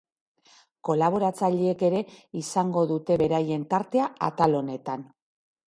Kolaboratzaileek ere izango dute beraien tartea atal honetan.